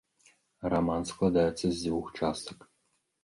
Раман складаецца з дзвюх частак.